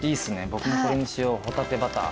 僕もこれにしようほたてバター。